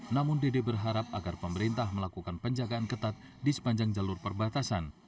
namun dede berharap agar pemerintah melakukan penjagaan ketat di sepanjang jalur perbatasan